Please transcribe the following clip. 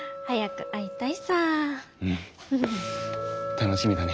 楽しみだね。